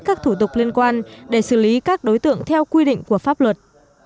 các thủ tục liên quan để xử lý các đối tượng theo quy định của pháp luật